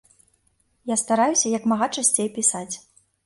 Я стараюся як мага часцей пісаць.